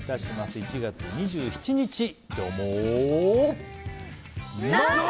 １月２７日、今日も。